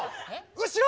後ろ！